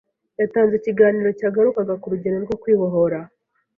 yatanze ikiganiro cyagarukaga ku rugendo rwo Kwibohora,